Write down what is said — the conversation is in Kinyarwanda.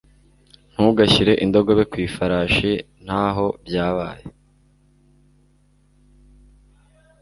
Ntugashyire indogobe ku ifarashi ntaho byabaye.